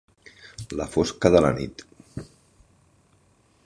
La fosca de la nit.